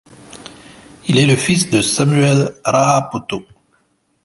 Il est le fils de Samuel Raapoto.